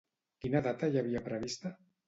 Quina data hi havia prevista?